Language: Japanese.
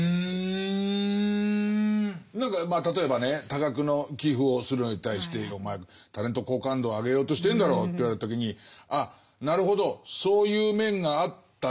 何か例えばね多額の寄付をするのに対して「お前タレント好感度を上げようとしてるんだろう」と言われた時にあなるほどそういう面があったな。